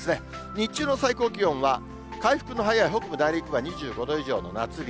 日中の最高気温は回復の早い北部、内陸部は２５度以上の夏日。